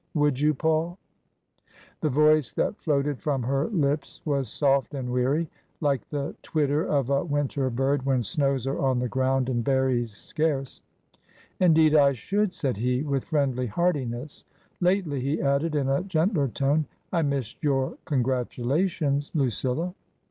" Would you, Paul ?" The voice that floated from her lips was soft and weary — like the twitter of a winter bird when snows are on the ground and berries scarce. *' Indeed I should," said he, with friendly heartiness. " Lately," he added, in a gentler tone, " I missed your congratulations, Lucilla."